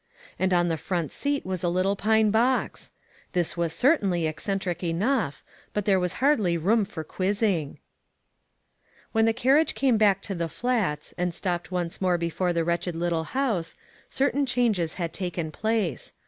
And on the front seat was a little pine box I This was certainly eccentric enough, but there was hardly room for quizzing ! When the carriage came back to the Flats, 288 ONE COMMONPLACE DAY. and stopped once more before the wretched little house, certain changes had taken place.